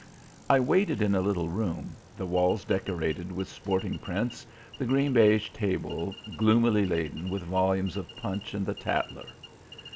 I waited in a little room, the walls decorated with sporting prints, the green baize table gloomily laden with volumes of Punch and the Tatler.